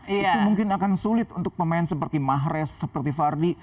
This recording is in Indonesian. itu mungkin akan sulit untuk pemain seperti mahrez seperti vardy